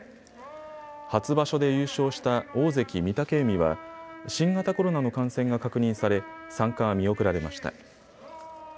初場所で優勝した大関・御嶽海は新型コロナの感染が確認され参加が見送られました。